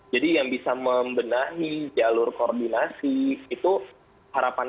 jadi yang bisa membenahi jalur koordinasi itu harapannya